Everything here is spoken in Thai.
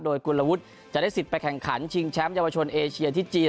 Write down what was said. โดยกุลวุฒิจะได้สิทธิ์ไปแข่งขันชิงแชมป์เยาวชนเอเชียที่จีน